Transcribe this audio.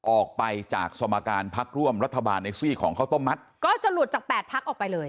ออกไปจากสมการพักร่วมรัฐบาลในซี่ของข้าวต้มมัดก็จะหลุดจากแปดพักออกไปเลย